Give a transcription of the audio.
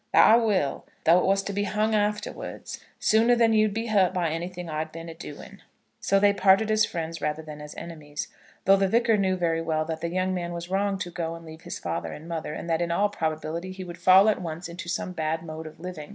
That I will, though it was to be hung afterwards, sooner than you'd be hurt by anything I'd been a doing." So they parted, as friends rather than as enemies, though the Vicar knew very well that the young man was wrong to go and leave his father and mother, and that in all probability he would fall at once into some bad mode of living.